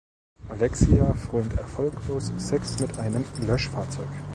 Alexia frönt erfolglos Sex mit einem Löschfahrzeug.